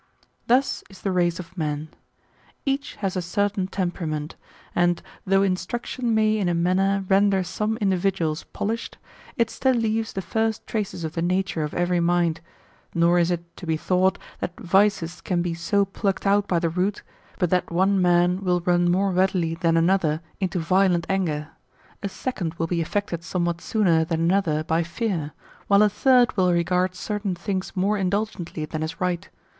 Thus is the race of men. £cu;h has a certain temperament; and though instruction may in a manner render some in dividuals polished, it still leaves the first traces of the nature of every mind ; nor is it to be thought that vices can be so plucked out by the root, but that one man will run more readily than another into violent anger ; a second will be af fected somewhat sooner than another by fear ; while a third wiU regard certaiB things more mdulgently than is right.